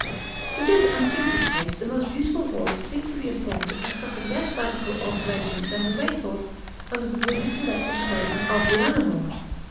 To this untutored taste the most beautiful horse seems to be a form which has suffered less radical alteration than the race horse under the breeder's selective development of the animal.